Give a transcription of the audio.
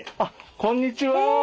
こんにちは。